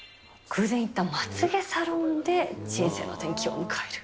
偶然行ったまつげサロンで人生の転機を迎える。